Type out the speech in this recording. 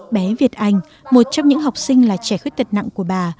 bé việt anh một trong những học sinh là trẻ khuyết tật nặng của bà